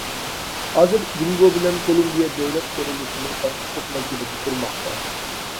ھازىر جۇڭگو بىلەن كولومبىيە دۆلەت قۇرۇلۇشىنىڭ ئاچقۇچلۇق مەزگىلىدە تۇرماقتا.